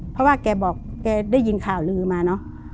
เพราะว่าแกบอกแกได้ยินข่าวลือมาเนอะ